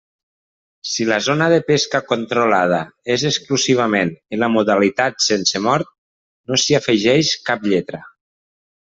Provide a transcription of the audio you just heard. Si la zona de pesca controlada és exclusivament en la modalitat sense mort, no s'hi afegeix cap lletra.